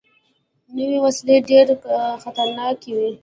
نوې وسلې ډېرې خطرناکې وي